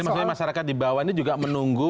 jadi maksudnya masyarakat di bawah ini juga menunggu